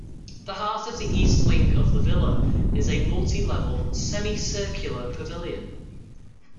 The heart of the east wing of the villa is a multi-level, semi-circular pavilion.